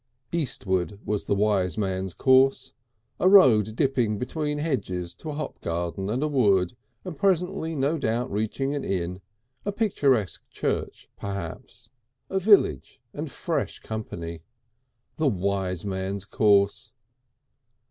Eastward was the wise man's course, a road dipping between hedges to a hop garden and a wood and presently no doubt reaching an inn, a picturesque church, perhaps, a village and fresh company. The wise man's course.